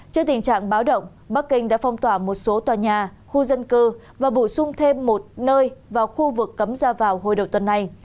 trước tình trạng báo động bắc kinh đã phong tỏa một số tòa nhà khu dân cư và bổ sung thêm một nơi vào khu vực cấm ra vào hồi đầu tuần này